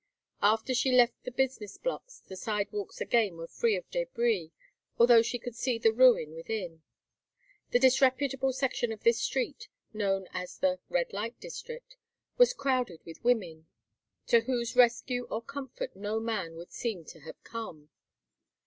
After she left the business blocks the sidewalks again were free of débris, although she could see the ruin within. The disreputable section of this street, known as the "Red light district," was crowded with women, to whose rescue or comfort no man would seem to have come.